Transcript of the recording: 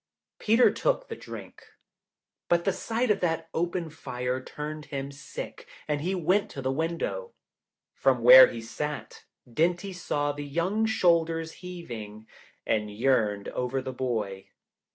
Peter took the drink. But the sight of that open fire turned him sick and he went to the window. From where he sat, Dinty saw the young shoulders heaving, and yearned over the boy.